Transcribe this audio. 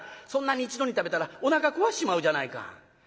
そんなに一度に食べたらおなか壊しちまうじゃないか」。